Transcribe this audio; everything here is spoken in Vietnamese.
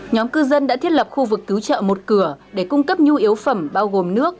nhóm cư dân đã thiết lập khu vực cứu trợ một cửa để cung cấp nhu yếu phẩm bao gồm nước